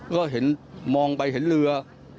ก็เห็นมองไปเห็นเรือ